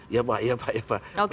ya pak ya pak ya pak